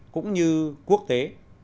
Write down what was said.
cũng như quốc tế